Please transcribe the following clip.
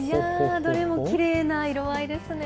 どれもきれいな色合いですね。